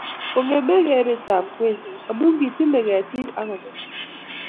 kongeme keretab ngweny amu kitile ketik ak kebeel